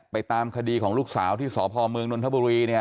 ไปตามคดีของลูกสาวที่สภมนธบุรีเนี่ย